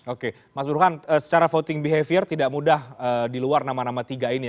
oke mas burhan secara voting behavior tidak mudah di luar nama nama tiga ini ya